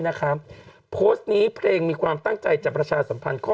นะครับโพสต์นี้เพลงมีความตั้งใจจะประชาสัมพันธ์ข้อ